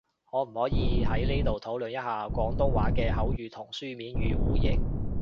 可唔可以喺呢度討論一下，廣東話嘅口語同書面語互譯？